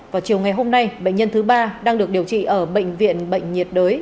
vào chiều ngày hôm nay bệnh nhân thứ ba đang được điều trị ở bệnh viện bệnh nhiệt đới